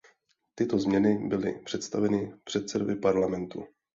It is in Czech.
Tyto změny byly představeny předsedovi Parlamentu.